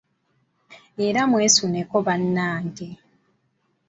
Era mwesuneko bannange.